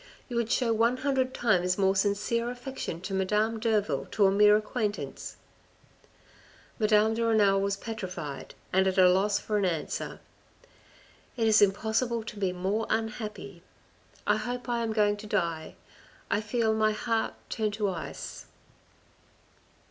You would show one hundred times more sincere affection to Madame Derville to a mere acquaintance." Madame de Renal was petrified, and at a loss for an answer. " It is impossible to be more unhappy. I hope I am going to die. I feel my heart turn to ice."